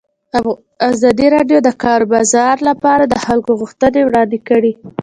ازادي راډیو د د کار بازار لپاره د خلکو غوښتنې وړاندې کړي.